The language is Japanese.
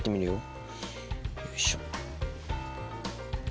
よいしょ。